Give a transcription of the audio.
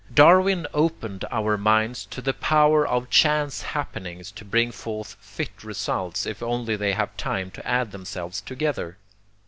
Darwin opened our minds to the power of chance happenings to bring forth 'fit' results if only they have time to add themselves together.